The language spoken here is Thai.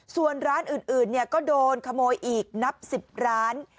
ส่วนร้านอื่นก็โดนขโมยอีกนับ๑๐ร้าน